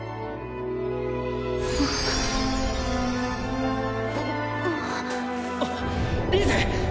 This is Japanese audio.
あっんっあっリーゼ！